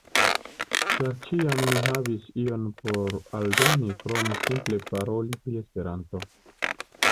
Ĉar ĉiam ni havis ion por aldoni krom simple paroli pri Esperanto.